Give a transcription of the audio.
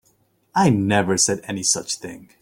I never said any such thing.